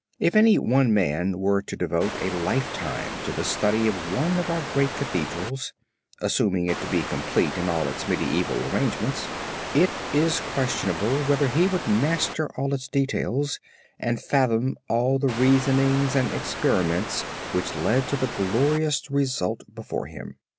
If any one man were to devote a lifetime to the study of one of our great cathedrals assuming it to be complete in all its medieval arrangements it is questionable whether he would master all its details, and fathom all the reasonings and experiments which led to the glorious result before him.